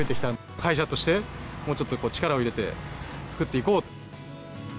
会社として、もうちょっとこう、力を入れて作っていこう。